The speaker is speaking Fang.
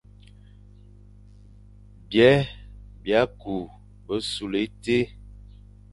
Byè bia kü besule éti,